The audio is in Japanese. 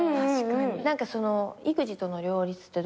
何かその育児との両立ってどうですか？